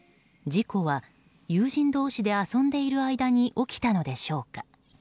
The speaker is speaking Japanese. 事故は、友人同士で遊んでいる間に起きたのでしょうか。